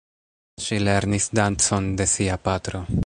Ŝi lernis dancon de sia patro.